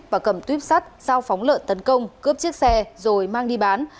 và cầm tuyếp sắt dao phóng lợn tấn công cướp chiếc xe rồi mang đi bán